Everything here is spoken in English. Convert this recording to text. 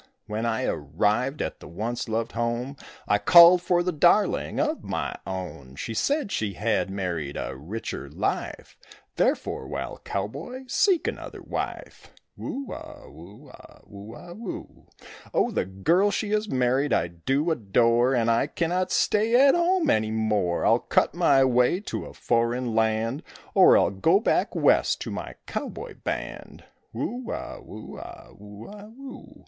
When I arrived at the once loved home I called for the darling of my own; They said she had married a richer life, Therefore, wild cowboy, seek another wife. Whoo a whoo a whoo a whoo. Oh, the girl she is married I do adore, And I cannot stay at home any more; I'll cut my way to a foreign land Or I'll go back west to my cowboy band. Whoo a whoo a whoo a whoo.